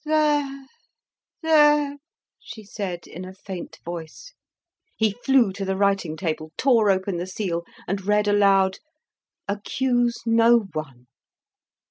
"Well, there there!" she said in a faint voice. He flew to the writing table, tore open the seal, and read aloud: "Accuse no one."